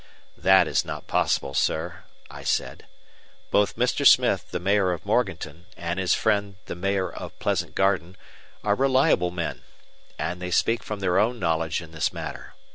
"That is not possible, sir," I said. "Both Mr. Smith, the mayor of Morganton and his friend the mayor of Pleasant Garden, are reliable men. And they speak from their own knowledge in this matter.